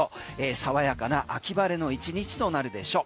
爽やかな秋晴れの１日となるでしょう。